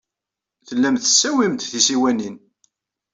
Tellam tettawyem-d tisiwanin.